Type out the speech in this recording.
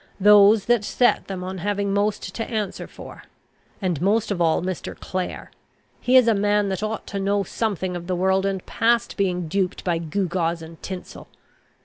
Those that set them on have most to answer for; and most of all, Mr. Clare. He is a man that ought to know something of the world, and past being duped by gewgaws and tinsel.